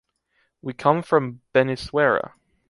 We come from Benissuera.